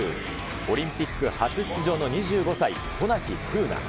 オリンピック初出場の２５歳、渡名喜風南。